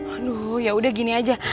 aduh ya udah gini aja